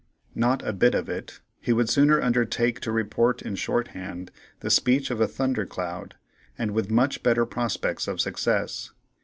Not a bit of it; he would sooner undertake to report in short hand the speech of a thunder cloud, and with much better prospects of success.